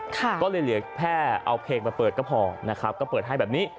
ก็เลยเหลือแค่เอาเพลงมาเปิดก็พอนะครับก็เปิดให้แบบนี้